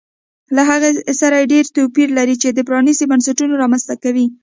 له هغې سره ډېر توپیر لري چې پرانیستي بنسټونه رامنځته کوي